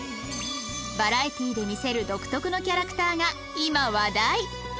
バラエティーで見せる独特のキャラクターが今話題！